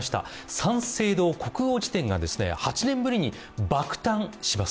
三省堂国語辞典が８年ぶりに爆誕します。